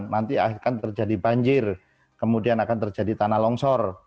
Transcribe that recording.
nanti akan terjadi banjir kemudian akan terjadi tanah longsor